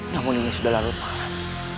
namun ini sudah lalu parah